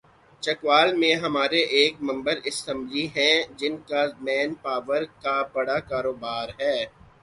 چکوال میں ہمارے ایک ممبر اسمبلی ہیں‘ جن کا مین پاور کا بڑا کاروبار ہے۔